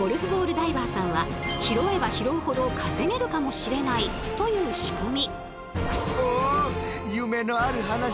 ダイバーさんは拾えば拾うほど稼げるかもしれないという仕組み。